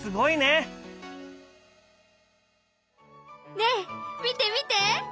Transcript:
ねえ見て見て！